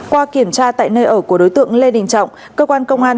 qua kiểm tra tại nơi ở của đối tượng lê đình trọng cơ quan công an